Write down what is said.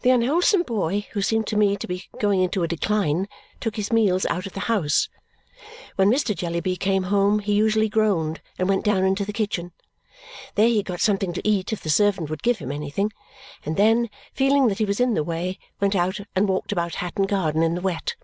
The unwholesome boy, who seemed to me to be going into a decline, took his meals out of the house. When Mr. Jellyby came home, he usually groaned and went down into the kitchen. There he got something to eat if the servant would give him anything, and then, feeling that he was in the way, went out and walked about Hatton Garden in the wet.